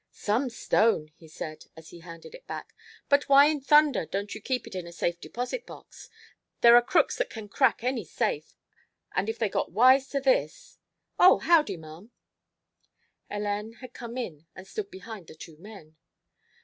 "Some stone!" he said, as he handed it back, "but why in thunder don't you keep it in a safe deposit box? There are crooks that can crack any safe, and if they got wise to this oh, howdy, ma'am " Hélène had come in and stood behind the two men.